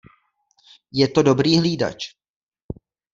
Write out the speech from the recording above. Je to dobrý hlídač.